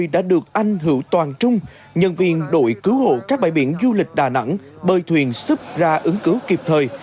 đã được anh hữu toàn trung nhân viên đội cứu hộ các bãi biển du lịch đà nẵng bơi thuyền sup ra ứng cứu kịp thời